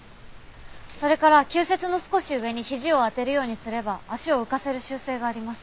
それから球節の少し上にひじを当てるようにすれば脚を浮かせる習性があります。